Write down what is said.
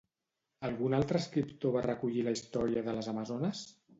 Algun altre escriptor va recollir la història de les amazones?